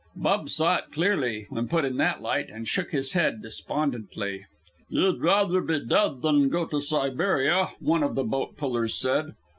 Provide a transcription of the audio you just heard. Bub saw it clearly when put in that light, and shook his head despondently. "You'd rather be dead than go to Siberia," one of the boat pullers said.